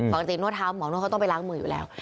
จริงนวดเท้าหมอนวดเขาต้องไปล้างมืออยู่แล้ว